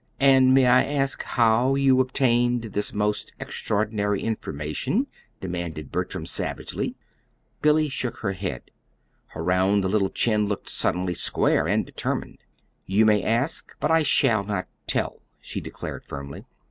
"And may I ask HOW you obtained this most extraordinary information?" demanded Bertram, savagely. Billy shook her head. Her round little chin looked suddenly square and determined. "You may ask, but I shall not tell," she declared firmly.